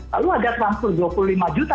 lalu ada rp tiga puluh lima juta